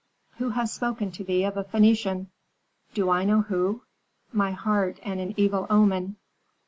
"Who has spoken to thee of a Phœnician?" "Do I know who? My heart and an evil omen."